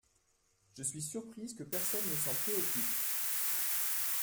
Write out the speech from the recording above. Je suis surprise que personne ne s’en préoccupe.